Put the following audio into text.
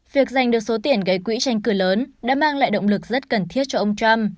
việc giành được số tiền gây quỹ tranh cử lớn đã mang lại động lực rất cần thiết cho ông trump